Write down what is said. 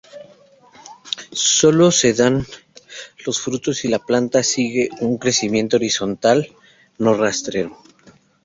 Sólo se dan los frutos si la planta sigue un crecimiento horizontal, no rastrero.